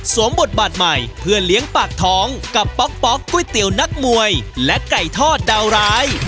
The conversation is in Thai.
บทบาทใหม่เพื่อเลี้ยงปากท้องกับป๊อกก๋วยเตี๋ยวนักมวยและไก่ทอดดาวร้าย